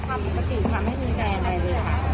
อ๋อของเราขายราคาปกติค่ะไม่มีแปลงใดเลยค่ะ